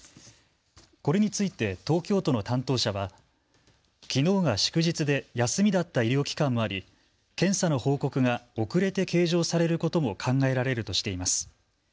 これについて、東京都の担当者はきのうが祝日で休みだった医療機関もあり、検査の報告が遅れて計上されることも考えられるとしています。